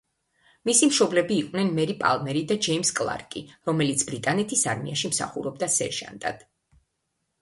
მისი მშობლები იყვნენ მერი პალმერი და ჯეიმს კლარკი, რომელიც ბრიტანეთის არმიაში მსახურობდა სერჟანტად.